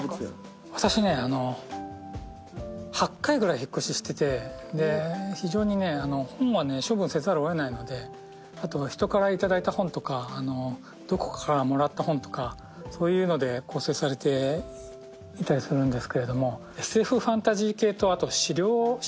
私ね８回ぐらい引っ越ししててで非常にね本はね処分せざるを得ないので人から頂いた本とかどこかからもらった本とかそういうので構成されていたりするんですけれども。